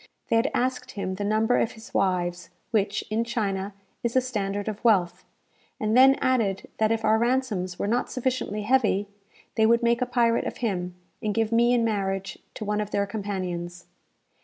They had asked him the number of his wives, which, in China, is a standard of wealth; and then added that if our ransoms were not sufficiently heavy, they would make a pirate of him, and give me in marriage to one of their companions.